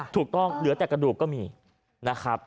เหลือแต่กระดูกก็มีนะครับ